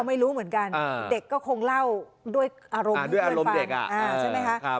ไม่รู้เหมือนกันเด็กก็คงเล่าด้วยอารมณ์เพื่อนฟัง